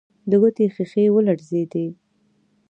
د کوټې ښيښې ولړزېدې.